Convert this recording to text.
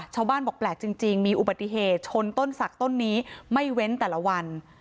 ชาวบ้านบอกแปลกจริงมีอุบัติเหตุชนต้นศักดิ์ต้นนี้ไม่เว้นแต่ละวัน